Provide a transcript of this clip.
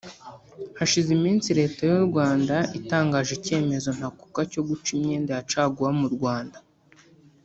Hashize iminsi leta y’ u Rwanda itangaje icyemezo ntakuka cyo guca imyenda ya caguwa mu Rwanda